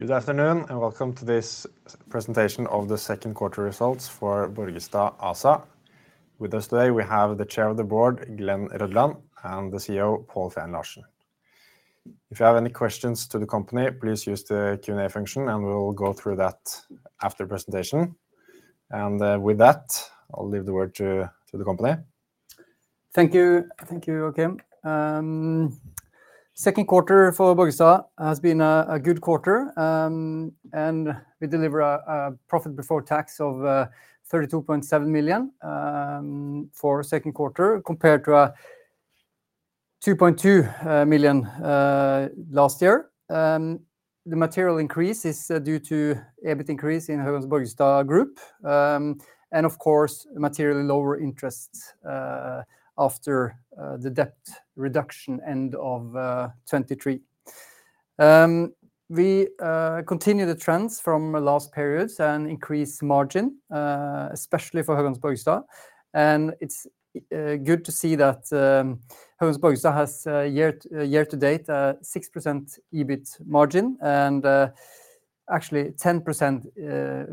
Good afternoon, and welcome to this presentation of the second quarter results for Borgestad ASA. With us today, we have the Chair of the Board, Glen Rødland, and the CEO, Pål Feen Larsen. If you have any questions to the company, please use the Q&A function, and we'll go through that after the presentation, and with that, I'll leave the word to the company. Thank you. Thank you, Joakim. Second quarter for Borgestad has been a good quarter, and we deliver a profit before tax of 32.7 million for second quarter, compared to 2.2 million NOK last year. The material increase is due to EBIT increase in Höganäs Borgestad Group, and of course, materially lower interest after the debt reduction end of 2023. We continue the trends from last periods and increase margin, especially for Höganäs Borgestad, and it's good to see that Höganäs Borgestad has, year-to-date, 6% EBIT margin, and actually 10%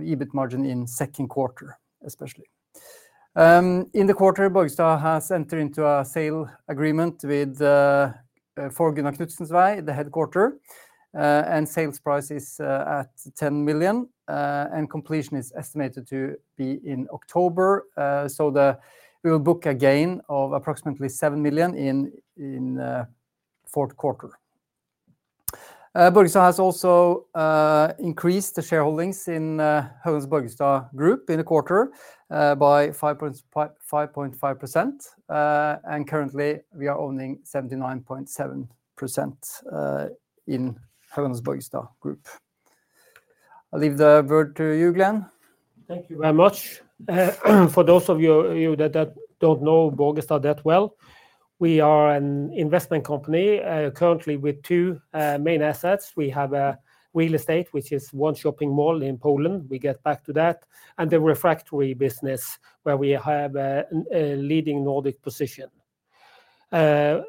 EBIT margin in second quarter, especially. In the quarter, Borgestad has entered into a sale agreement with Gunnar Knudsens Vei, the headquarters, and sales price is at 10 million, and completion is estimated to be in October. So we will book a gain of approximately 7 million in fourth quarter. Borgestad has also increased the shareholdings in Höganäs Borgestad Group in the quarter by 5.5%. And currently, we are owning 79.7% in Höganäs Borgestad Group. I'll leave the word to you, Glen. Thank you very much. For those of you that don't know Borgestad that well, we are an investment company, currently with two main assets. We have a real estate, which is one shopping mall in Poland. We get back to that, and the refractory business, where we have a leading Nordic position. The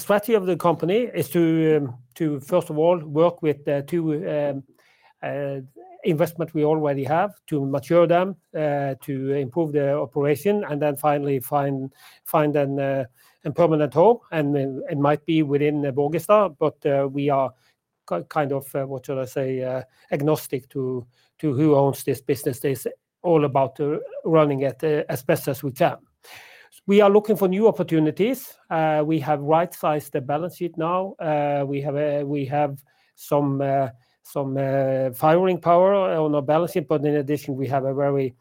strategy of the company is to, first of all, work with the two investments we already have, to mature them, to improve the operation, and then finally find a permanent home, and it might be within Borgestad, but we are kind of agnostic to who owns this business. It is all about running it as best as we can. We are looking for new opportunities. We have right-sized the balance sheet now. We have some firing power on our balance sheet, but in addition, we have a very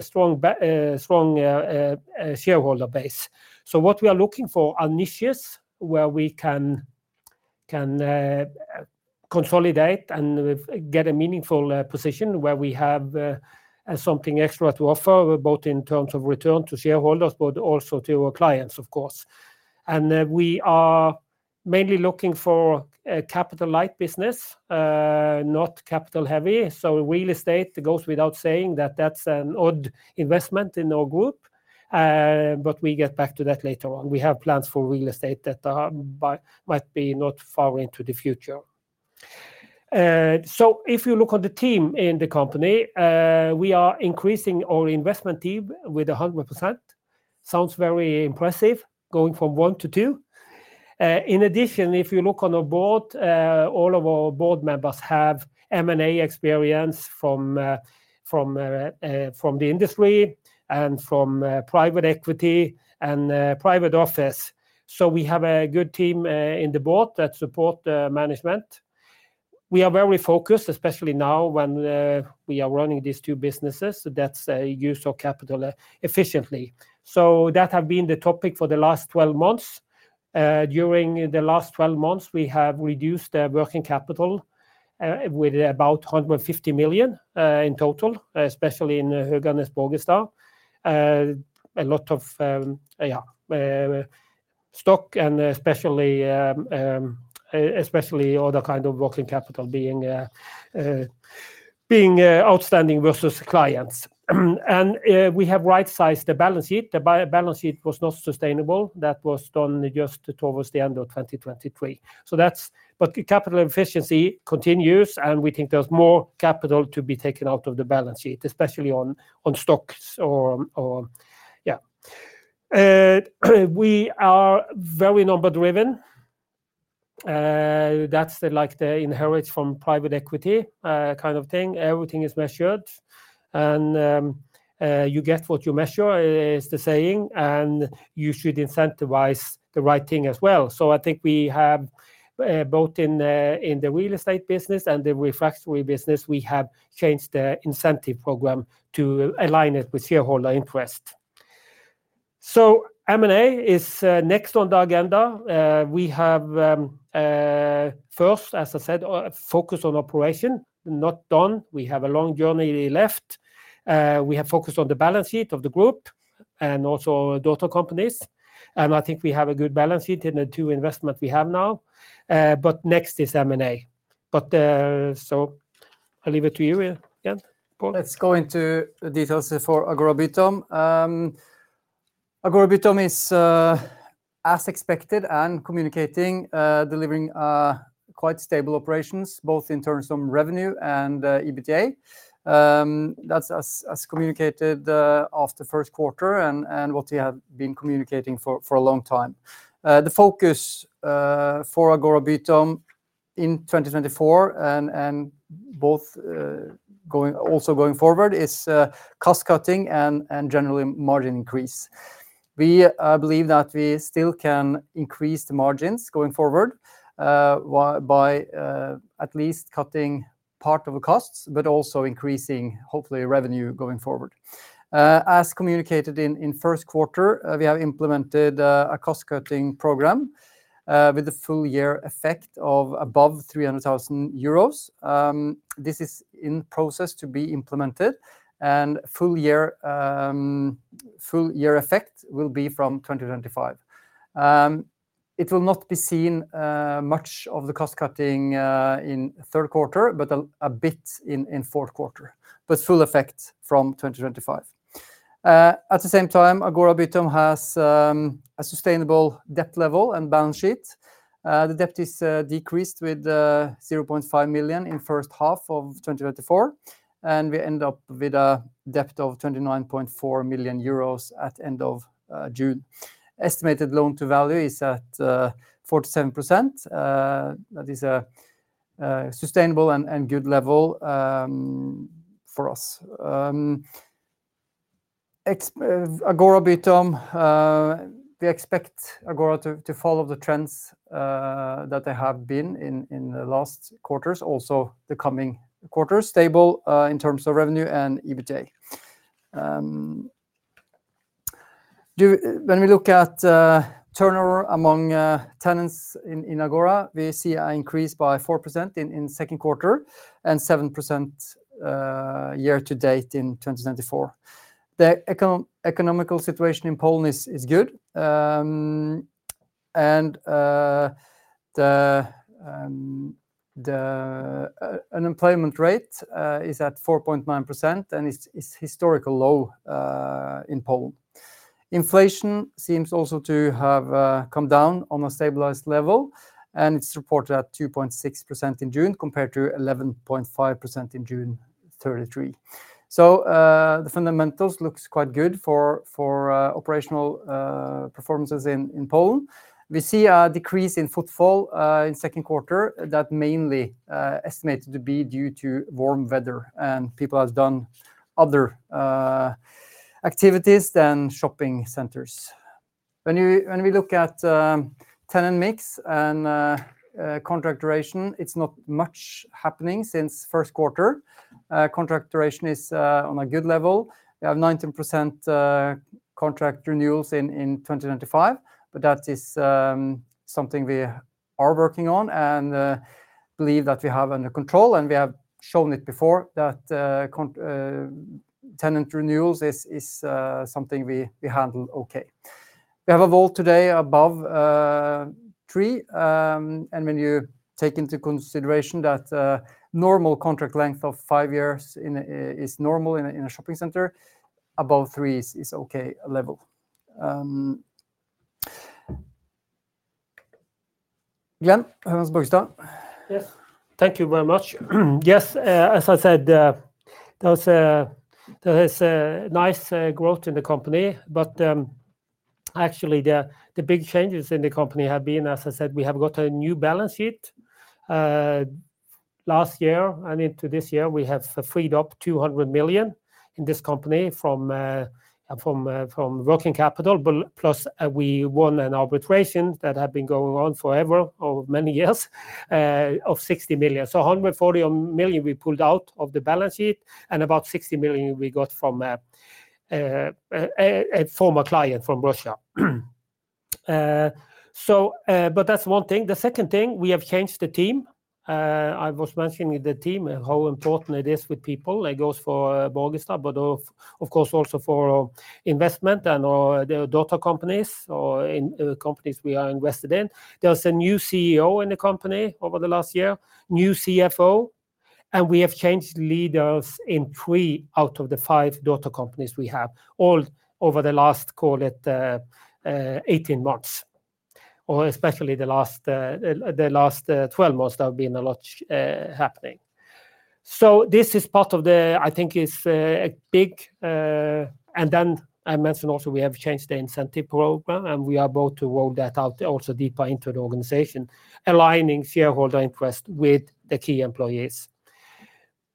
strong shareholder base, so what we are looking for are niches where we can consolidate and get a meaningful position where we have something extra to offer, both in terms of return to shareholders, but also to our clients, of course, and we are mainly looking for a capital-light business, not capital-heavy, so real estate, it goes without saying, that's an odd investment in our group, but we get back to that later on. We have plans for real estate that are might be not far into the future. So if you look on the team in the company, we are increasing our investment team with 100%. Sounds very impressive, going from one to two. In addition, if you look on the board, all of our board members have M&A experience from the industry and from private equity and private office. So we have a good team in the board that support the management. We are very focused, especially now when we are running these two businesses, that's use our capital efficiently. So that have been the topic for the last twelve months. During the last twelve months, we have reduced the working capital with about 150 million NOK in total, especially in Höganäs-Borgestad. A lot of, yeah, stock and especially all the kind of working capital being outstanding versus clients. And, we have right-sized the balance sheet. The balance sheet was not sustainable. That was done just towards the end of twenty twenty-three. So that's. But capital efficiency continues, and we think there's more capital to be taken out of the balance sheet, especially on stocks or... Yeah. We are very number-driven. That's the, like, the inherit from private equity, kind of thing. Everything is measured, and, you get what you measure, is the saying, and you should incentivize the right thing as well. So I think we have, both in the, in the real estate business and the refractory business, we have changed the incentive program to align it with shareholder interest. M&A is next on the agenda. We have, first, as I said, focus on operation, not done. We have a long journey left. We have focused on the balance sheet of the group and also daughter companies, and I think we have a good balance sheet in the two investment we have now, but next is M&A, so I'll leave it to you again, Pål. Let's go into the details for Agora Bytom. Agora Bytom is, as expected and communicating, delivering quite stable operations, both in terms of revenue and EBITDA. That's as communicated after first quarter and what we have been communicating for a long time. The focus for Agora Bytom in twenty twenty-four and both going also going forward is cost cutting and generally margin increase. We believe that we still can increase the margins going forward by at least cutting part of the costs, but also increasing, hopefully, revenue going forward. As communicated in first quarter, we have implemented a cost-cutting program with the full year effect of above 300,000 euros. This is in process to be implemented, and full year effect will be from 2025. It will not be seen much of the cost cutting in third quarter, but a bit in fourth quarter, but full effect from 2025. At the same time, Agora Bytom has a sustainable debt level and balance sheet. The debt is decreased with 0.5 million EUR in first half of 2024, and we end up with a debt of 29.4 million euros at end of June. Estimated loan-to-value is at 47%. That is a sustainable and good level for us. Ex Agora Bytom, we expect Agora to follow the trends that they have been in the last quarters, also the coming quarters. Stable in terms of revenue and EBITDA. When we look at turnover among tenants in Agora, we see an increase by 4% in second quarter and 7% year to date in 2024. The economic situation in Poland is good. And the unemployment rate is at 4.9%, and it's historical low in Poland. Inflation seems also to have come down on a stabilized level, and it's reported at 2.6% in June, compared to 11.5% in June 2023. The fundamentals looks quite good for operational performances in Poland. We see a decrease in footfall in second quarter that mainly estimated to be due to warm weather, and people have done other activities than shopping centers. When we look at tenant mix and contract duration, it's not much happening since first quarter. Contract duration is on a good level. We have 19% contract renewals in 2025, but that is something we are working on and believe that we have under control, and we have shown it before that tenant renewals is something we handle okay. We have a WALT today above 3. When you take into consideration that normal contract length of five years is normal in a shopping center, above 3 is okay level. Glen, how was Borgestad? Yes, thank you very much. Yes, as I said, there is a nice growth in the company, but actually, the big changes in the company have been, as I said, we have got a new balance sheet. Last year and into this year, we have freed up 200 million in this company from working capital, plus we won an arbitration that had been going on forever, or many years, of 60 million. So 140 million we pulled out of the balance sheet, and about 60 million we got from a former client from Russia. So, but that's one thing. The second thing, we have changed the team. I was mentioning with the team how important it is with people. It goes for Borgestad, but of course, also for investment and our the daughter companies or in companies we are invested in. There's a new CEO in the company over the last year, new CFO, and we have changed leaders in three out of the five daughter companies we have, all over the last, call it, eighteen months, or especially the last twelve months, there have been a lot happening. So this is part of the... I think it's a big. And then I mentioned also we have changed the incentive program, and we are about to roll that out also deeper into the organization, aligning shareholder interest with the key employees.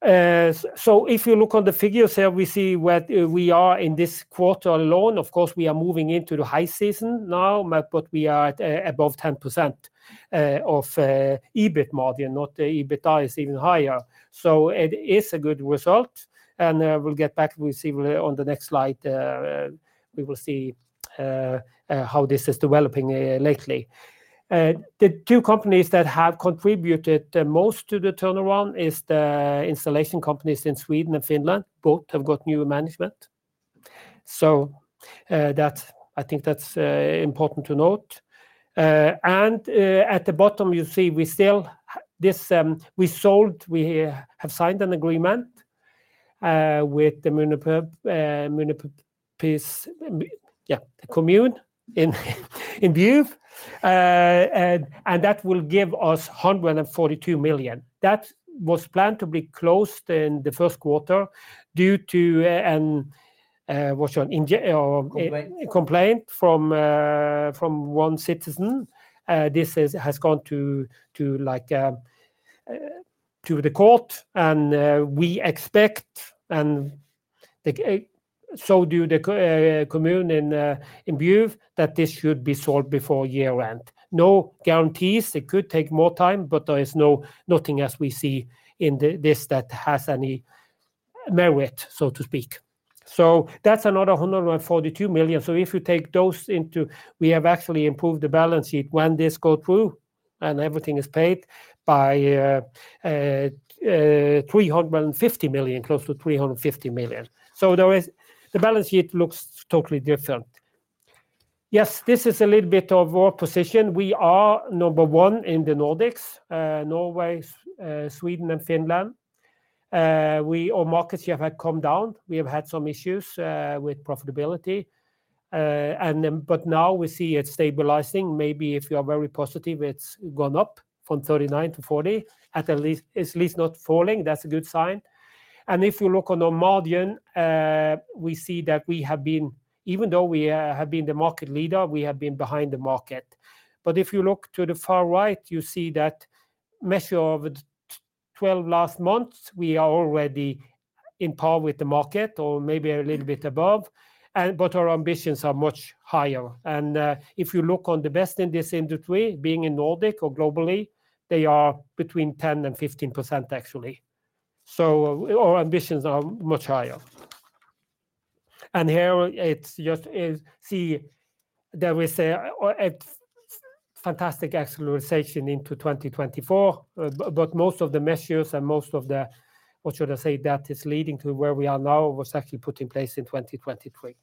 So if you look on the figures here, we see where we are in this quarter alone. Of course, we are moving into the high season now, but we are at above 10% of EBIT margin, not the EBITDA, is even higher. So it is a good result, and we'll get back. We'll see on the next slide, we will see how this is developing lately. The two companies that have contributed the most to the turnaround is the installation companies in Sweden and Finland. Both have got new management. So, that, I think that's important to note. And at the bottom, you see we still, this, we sold, we have signed an agreement with the commune in Bjuv. And that will give us 142 million NOK. That was planned to be closed in the first quarter due to, an, what you, in- or- Complaint. A complaint from, from one citizen. This is, has gone to, to, like, to the court, and, we expect, and the, so do the commune in Bjuv, that this should be solved before year-end. No guarantees, it could take more time, but there is nothing as we see in this that has any merit, so to speak. So that's another 142 million. So if you take those into... We have actually improved the balance sheet when this go through, and everything is paid by 350 million, close to 350 million. So the balance sheet looks totally different. Yes, this is a little bit of our position. We are number one in the Nordics, Norway, Sweden, and Finland. We, our market share have come down. We have had some issues with profitability, and then, but now we see it stabilizing. Maybe if you are very positive, it's gone up from thirty-nine to forty. At the least, it's at least not falling. That's a good sign. And if you look on the margin, we see that we have been, even though we have been the market leader, we have been behind the market. But if you look to the far right, you see that measure of the twelve last months, we are already on par with the market or maybe a little bit above, and, but our ambitions are much higher. And if you look at the best in this industry, being in Nordic or globally, they are between 10% and 15%, actually. So our ambitions are much higher. Here it's just, there we say, it's fantastic acceleration into 2024, but most of the measures and most of the, what should I say, that is leading to where we are now, was actually put in place in 2023.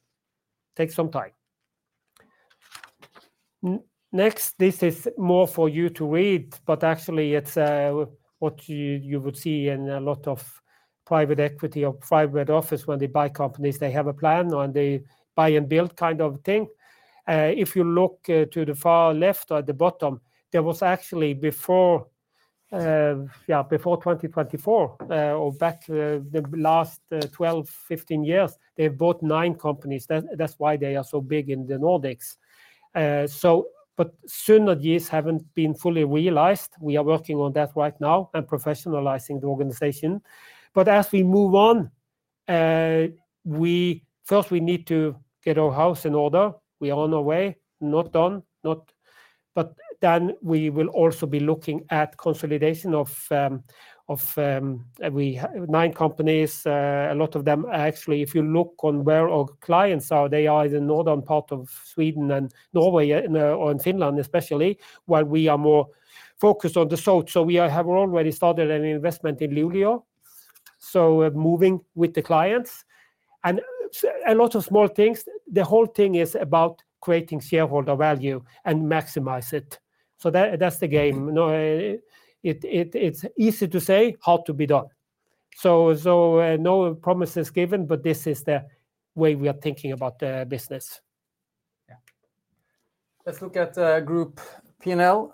Takes some time. Next, this is more for you to read, but actually it's what you would see in a lot of private equity or private office when they buy companies. They have a plan, and they buy and build kind of thing. If you look to the far left or at the bottom, there was actually before, before 2024, or back, the last 12-15 years, they've bought nine companies. That's why they are so big in the Nordics. So, but synergies haven't been fully realized. We are working on that right now and professionalizing the organization. But as we move on, first we need to get our house in order. We are on our way, not done, not... But then we will also be looking at consolidation of nine companies. A lot of them, actually, if you look on where our clients are, they are in the northern part of Sweden and Norway, or in Finland especially, while we are more focused on the south. So we have already started an investment in Luleå, so moving with the clients and a lot of small things. The whole thing is about creating shareholder value and maximize it. So that, that's the game. It's easy to say, hard to be done. No promises given, but this is the way we are thinking about the business. Yeah. Let's look at group P&L.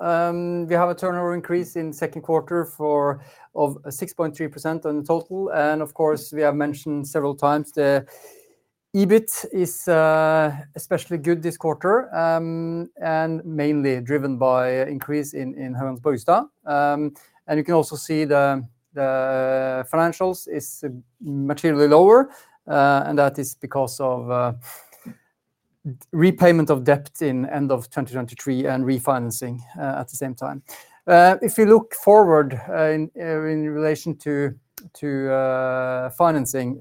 We have a turnover increase in second quarter of 6.3% on total, and of course, we have mentioned several times, the EBIT is especially good this quarter, and mainly driven by increase in Höganäs Borgestad, and you can also see the financials is materially lower, and that is because of repayment of debt in end of 2023 and refinancing at the same time. If you look forward, in relation to financing,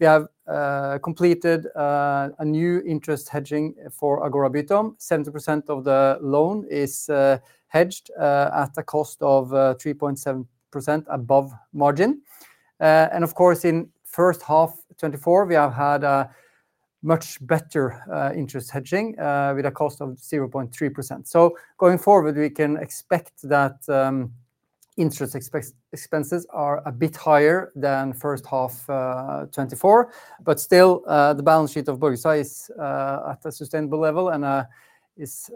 we have completed a new interest hedging for Agora Bytom. 70% of the loan is hedged at a cost of 3.7% above margin. And of course, in first half 2024, we have had a much better interest hedging with a cost of 0.3%. So going forward, we can expect that interest expenses are a bit higher than first half 2024. But still, the balance sheet of Borgestad is at a sustainable level and is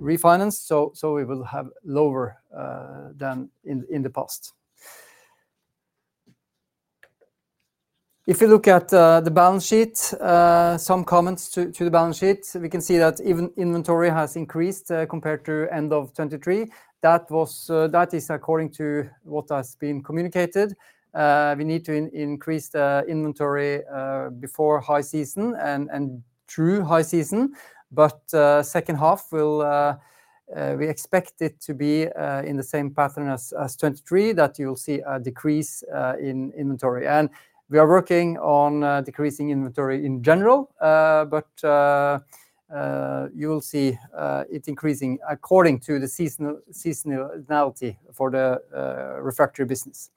refinanced, so we will have lower than in the past. If you look at the balance sheet, some comments to the balance sheet. We can see that even inventory has increased compared to end of 2023. That is according to what has been communicated. We need to increase the inventory before high season and through high season. But second half will, we expect it to be in the same pattern as 2023, that you'll see a decrease in inventory. And we are working on decreasing inventory in general, but you'll see it increasing according to the seasonal seasonality for the refractory business.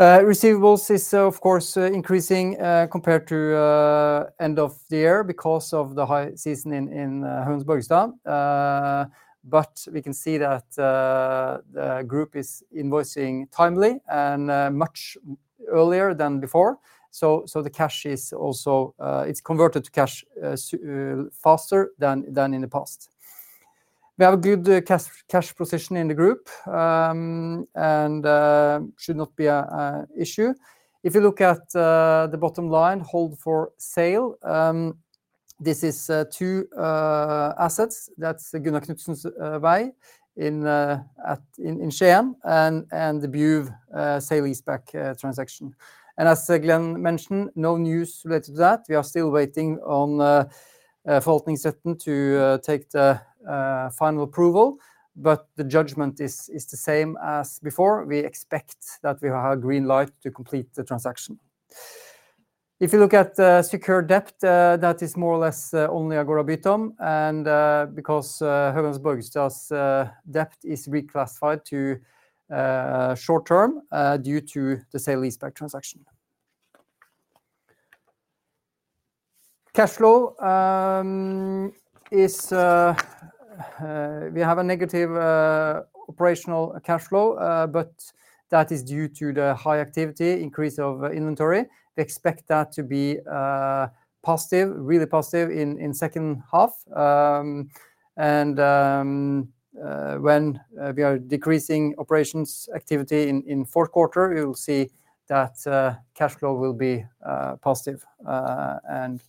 Receivables is, of course, increasing compared to end of the year because of the high season in Höganäs Borgestad. But we can see that the group is invoicing timely and much earlier than before. So the cash is also, it's converted to cash faster than in the past. We have a good cash position in the group, and should not be an issue. If you look at the bottom line, held for sale, this is two assets. That's the Gunnar Knudsens vei in Skien and the Bjuv sale-leaseback transaction, and as Glen mentioned, no news related to that. We are still waiting onfor them to take the final approval, but the judgment is the same as before. We expect that we will have a green light to complete the transaction. If you look at secured debt, that is more or less only Agora Bytom, and because Höganäs Borgestad debt is reclassified to short-term due to the sale-leaseback transaction. Cash flow is. We have a negative operational cash flow, but that is due to the high activity increase of inventory. We expect that to be positive, really positive in second half. And when we are decreasing operations activity in fourth quarter, you'll see that cash flow will be positive. And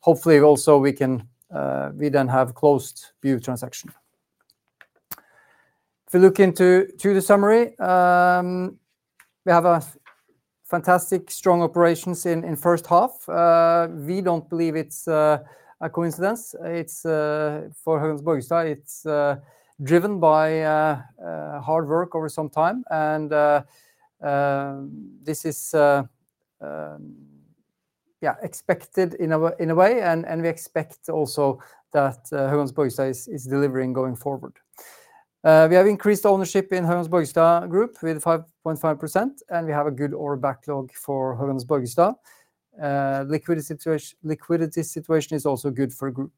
hopefully also we can, we then have closed Bjuv transaction. If you look into the summary, we have a fantastic strong operations in first half. We don't believe it's a coincidence. It's for Höganäs Borgestad, it's driven by hard work over some time, and this is expected in a way, in a way, and we expect also that Höganäs Borgestad is delivering going forward. We have increased ownership in Höganäs Borgestad Group with 5.5%, and we have a good order backlog for Höganäs Borgestad. Liquidity situation is also good for group.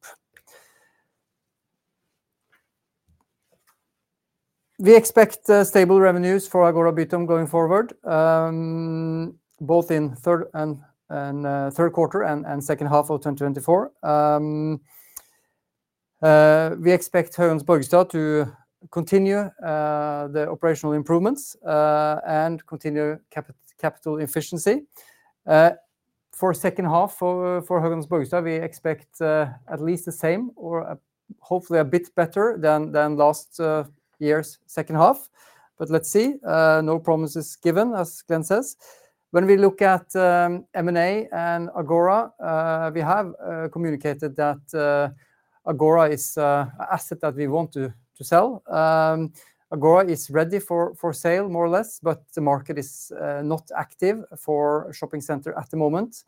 We expect stable revenues for Agora Bytom going forward, both in third and third quarter and second half of twenty twenty-four. We expect Höganäs Borgestad to continue the operational improvements and continue capital efficiency. For second half for Höganäs Borgestad, we expect at least the same or hopefully a bit better than last year's second half. But let's see, no promises given, as Glen says. When we look at M&A and Agora, we have communicated that Agora is a asset that we want to sell. Agora is ready for sale, more or less, but the market is not active for shopping center at the moment.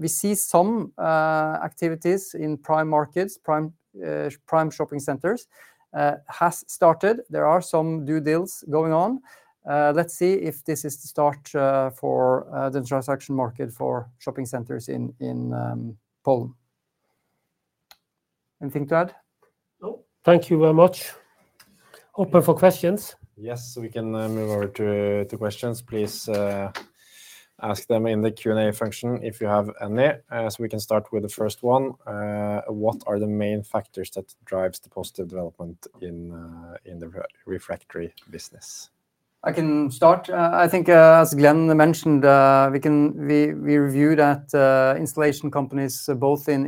We see some activities in prime markets, prime shopping centers has started. There are some new deals going on. Let's see if this is the start for the transaction market for shopping centers in Poland. Anything to add? No. Thank you very much. Open for questions. Yes, we can move over to questions. Please ask them in the Q&A function if you have any. So we can start with the first one. What are the main factors that drives the positive development in the refractory business? I can start. I think, as Glen mentioned, we can review that installation companies, both in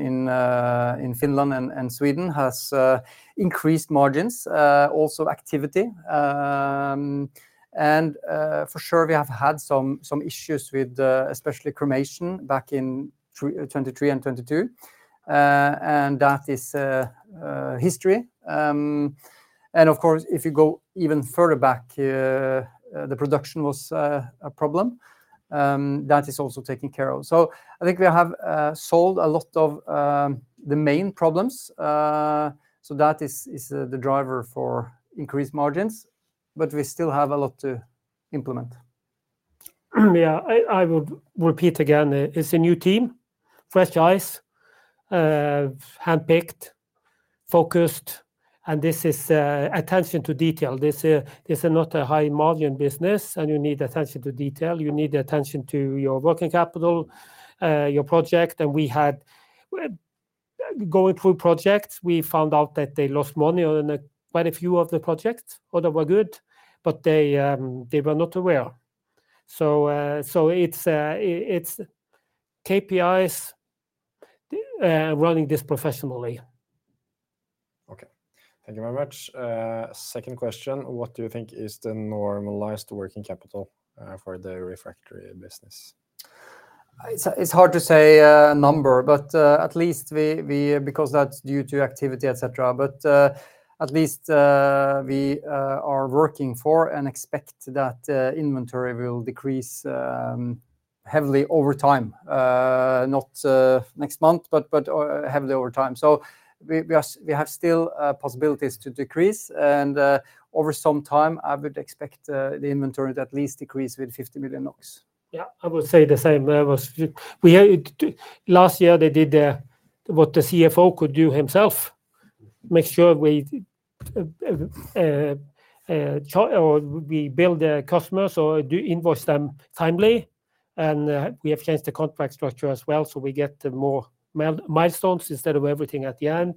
Finland and Sweden, has increased margins, also activity. For sure, we have had some issues with, especially cremation back in 2023 and 2022, and that is history. Of course, if you go even further back, the production was a problem, that is also taken care of. So I think we have solved a lot of the main problems, so that is the driver for increased margins, but we still have a lot to implement. Yeah, I would repeat again, it's a new team, fresh eyes, handpicked, focused, and this is attention to detail. This is not a high-margin business, and you need attention to detail. You need attention to your working capital, your project. And we had, going through projects, we found out that they lost money on quite a few of the projects. Others were good, but they were not aware. So it's KPIs, running this professionally. Okay, thank you very much. Second question: What do you think is the normalized working capital for the refractory business? It's hard to say a number, but at least we, because that's due to activity, et cetera. But at least we are working for and expect that inventory will decrease heavily over time. Not next month, but heavily over time. So we are, we have still possibilities to decrease, and over some time, I would expect the inventory to at least decrease with 50 million NOK. Yeah, I would say the same. Last year, they did what the CFO could do himself. Make sure we change or we bill the customers or invoice them timely, and we have changed the contract structure as well, so we get more milestones instead of everything at the end,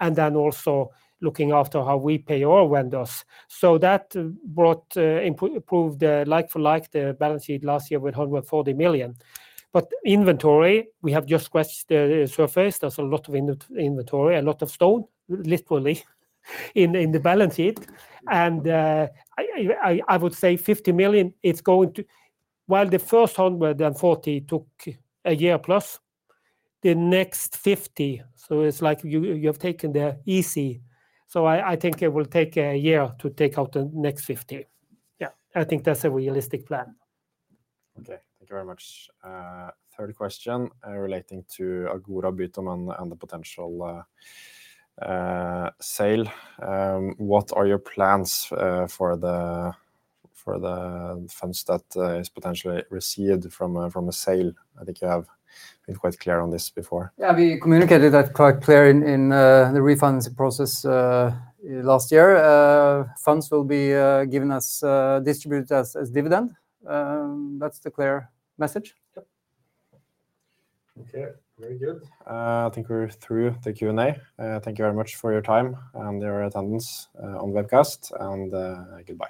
and then also looking after how we pay our vendors. So that brought improved, like for like, the balance sheet last year with 140 million. But inventory, we have just scratched the surface. There's a lot of inventory, a lot of stone, literally, in the balance sheet. And I would say 50 million, it's going to... While the first 140 took a year plus, the next 50, so it's like you have taken the easy. So I think it will take a year to take out the next 50. Yeah, I think that's a realistic plan. Okay, thank you very much. Third question relating to Agora Bytom and the potential sale. What are your plans for the funds that is potentially received from a sale? I think you have been quite clear on this before. Yeah, we communicated that quite clear in the refinancing process last year. Funds will be given as distributed as dividend. That's the clear message. Yep. Okay, very good. I think we're through the Q&A. Thank you very much for your time and your attendance on the webcast, and goodbye.